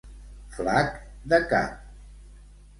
Flac de cap.